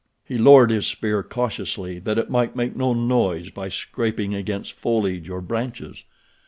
He lowered his spear cautiously that it might make no noise by scraping against foliage or branches.